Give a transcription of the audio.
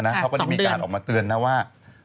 เขาก็ได้มีการออกมาเตือนนะว่า